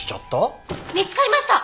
見つかりました！